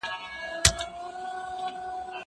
وخت ونیسه؟